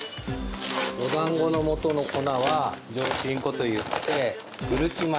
おだんごのもとの粉は上新粉といってうるち米